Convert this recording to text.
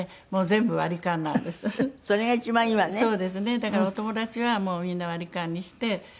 だからお友達はもうみんな割り勘にして。